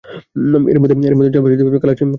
এরই মধ্যে জলপাই সেদ্ধ হয়ে কালার চেঞ্জ হয়ে যাবে।